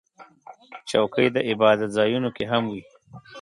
چوکۍ د عبادت ځایونو کې هم وي.